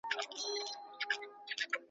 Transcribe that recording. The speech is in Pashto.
بدې چیغې واوري